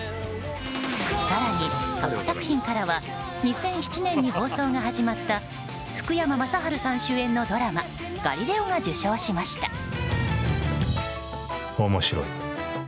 更に、過去作品からは２００７年に放送が始まった福山雅治さん主演のドラマ「ガリレオ」が面白い。